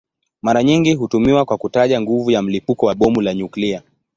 Mara nyingi hutumiwa kwa kutaja nguvu ya mlipuko wa bomu la nyuklia.